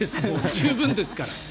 十分ですから。